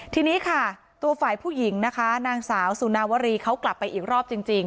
ทีนี้ค่ะตัวฝ่ายผู้หญิงนะคะนางสาวสุนาวรีเขากลับไปอีกรอบจริง